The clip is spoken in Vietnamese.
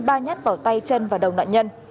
ba nhát vào tay chân và đầu nạn nhân